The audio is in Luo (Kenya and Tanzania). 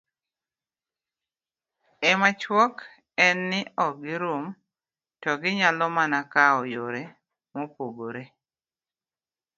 e machuok en ni ok girum to ginyalo mana kawo yore mopogore